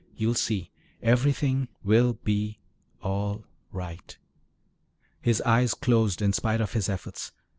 "You'll see. Everything will be all right." His eyes closed in spite of his efforts.